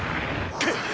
くっ！